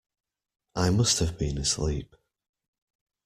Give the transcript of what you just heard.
I must have been asleep.